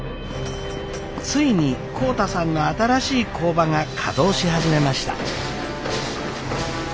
ついに浩太さんの新しい工場が稼働し始めました。